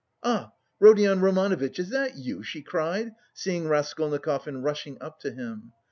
Ah, Rodion Romanovitch, is that you?" she cried, seeing Raskolnikov and rushing up to him.